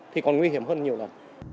thì còn nguy hiểm hơn nhiều lần